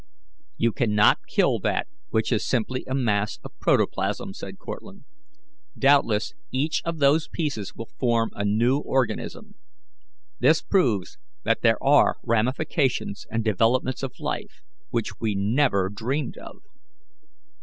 "You cannot kill that which is simply a mass of protoplasm," said Cortlandt. "Doubtless each of those pieces will form a new organism. This proves that there are ramifications and developments of life which we never dreamed of."